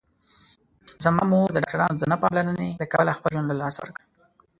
زما مور د ډاکټرانو د نه پاملرنې له کبله خپل ژوند له لاسه ورکړ